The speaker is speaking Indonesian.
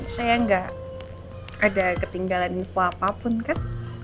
saya nggak ada ketinggalan info apapun kan